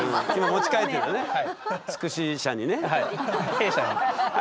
弊社に。